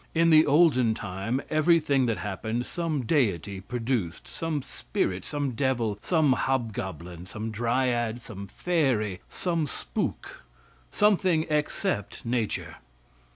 In the olden time, everything that happened some deity produced, some spirit, some devil, some hobgoblin, some dryad, some fairy, some spook, something except nature.